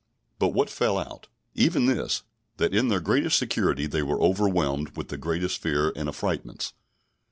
But what fell out? Even this, that in their greatest security they were overwhelmed with the greatest fear and affrightments.